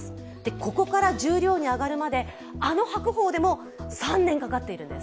ここから十両に上がるまであの白鵬でも３年かかっているんです。